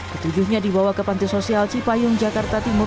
ketujuhnya dibawa ke panti sosial cipayung jakarta timur